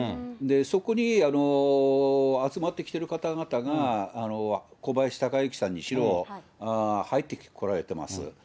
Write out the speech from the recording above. そこに集まってきてる方々が、小林鷹之さんにしろ、入ってこられてます。